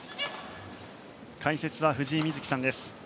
解説は藤井瑞希さんです。